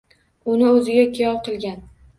Uni oʻziga kuyov qilgan